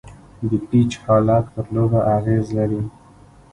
د پيچ حالت پر لوبه اغېز لري.